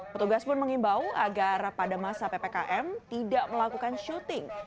petugas pun mengimbau agar pada masa ppkm tidak melakukan syuting